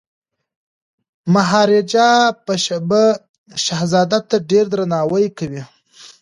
مهاراجا به شهزاده ته ډیر درناوی کوي.